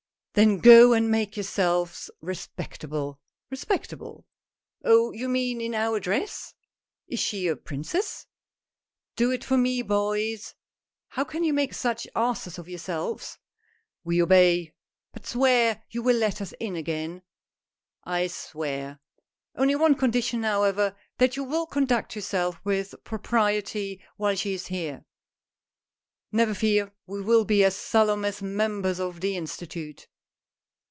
" Then go and make yourselves respectable." " Respectable I Oh, you mean in our dress ? Is she a princess ?"" Do it for me, boys. How can you make such asses of yourselves ?" "We obey ! But swear you will let us in again ?"" I swear ! Only on condition, however, that you will conduct yourselves with propriety while she is here." " Never fear, we will be as solemn as members of the Institute."